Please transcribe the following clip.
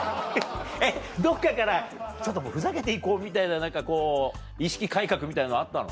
えっどっからちょっともうふざけて行こうみたいな何かこう意識改革みたいなのあったの？